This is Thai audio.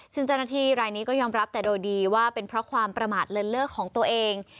ซึ่งเจ้าหน้าที่รายนี้ก็ยอมรับแต่โดยดีว่าเป็นเพราะความประมาทเลินเลิกของตัวเอง